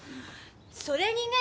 それにねぇ！